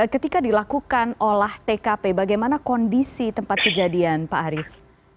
ketika dilakukan olah tkp bagaimana kondisi tempat kejadian pak haris